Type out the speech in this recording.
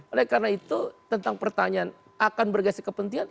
oleh karena itu tentang pertanyaan akan bergaya sekepentingan